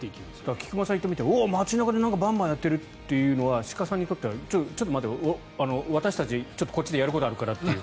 菊間さんが言ったみたいに街中でバンバンやってるっていうのは鹿さんにとっては私たち、こっちでやることあるからっていう。